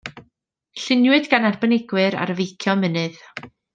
Lluniwyd gan arbenigwyr ar feicio mynydd.